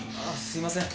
すいません。